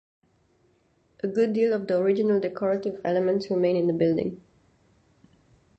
A good deal of the original decorative elements remain in the building.